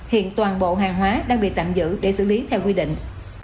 hiện toàn bộ hàng hóa đang bị tạm giữ để xử lý theo quy định